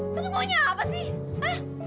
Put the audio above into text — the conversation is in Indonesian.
lo tuh maunya apa sih